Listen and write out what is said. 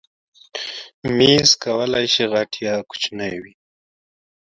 مېز کولی شي غټ یا کوچنی وي.